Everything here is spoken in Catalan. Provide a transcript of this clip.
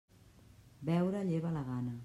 Beure lleva la gana.